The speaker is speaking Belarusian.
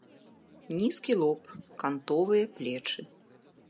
Нізкі лоб, кантовыя плечы.